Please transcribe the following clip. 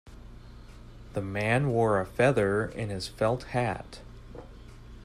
The man wore a feather in his felt hat.